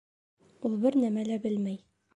Ул бер нәмә лә белмәй.